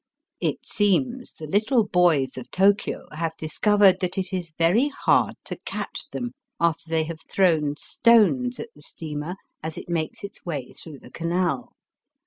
It seems the little boys of Tokio have discovered that it is very hard to catch them after they have thrown stones at the steamer as it makes its way through the canal.